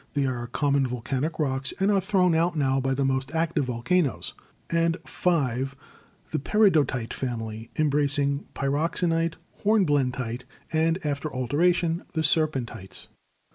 They are common volcanic rocks and are thrown out now by the most active volcanoes. (5) The Perido tite Family, embracing pyroxenite, hornblendite, and, after alteration, the Serpentites.